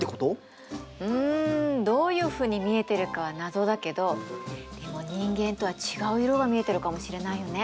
うんどういうふうに見えているかは謎だけどでも人間とは違う色が見えているかもしれないよね。